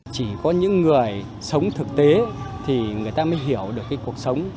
chỉ có những người sống thực tế thì người ta mới hiểu được cái cuộc sống